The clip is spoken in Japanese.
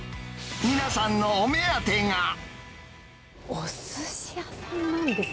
皆さんのお目当てが。